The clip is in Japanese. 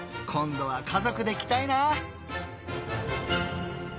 今度は家族で来たいな！